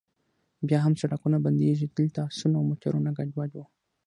بیا هم سړکونه بندیږي، دلته اسونه او موټرونه ګډوډ و.